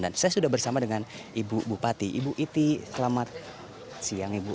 dan saya sudah bersama dengan ibu bupati ibu iti selamat siang ibu